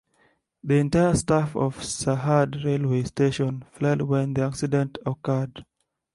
The entire staff of Sarhad railway station fled when the accident occurred.